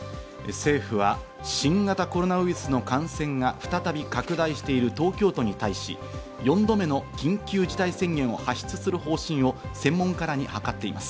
政府は新型コロナウイルスの感染が再び拡大している東京都に対し、４度目の緊急事態宣言を発出する方針を専門家らに諮っています。